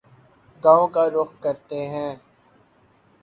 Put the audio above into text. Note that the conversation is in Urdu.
گاوں کا رخ کرتے ہیں